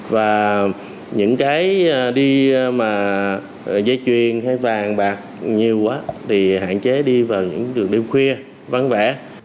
và những cái đi mà giấy chuyền hay vàng bạc nhiều quá thì hạn chế đi vào những đường đêm khuya văn vẽ